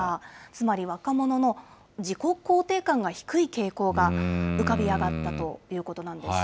つまりは若者の自己肯定感が低い傾向が、浮かび上がったということなんです。